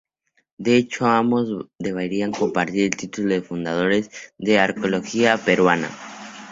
De hecho, ambos deberían compartir el título de fundadores de la arqueología peruana.